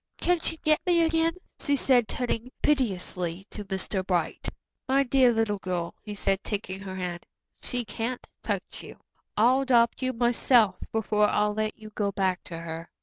Can she get me again?" she said, turning piteously to Mr. Bright. "My dear little girl," he said, taking her hand, "she can't touch you. I'll adopt you myself before I'll let you go back to her.